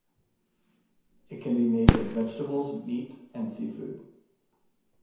It can be made with vegetables, meat and seafood.